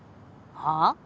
はあ？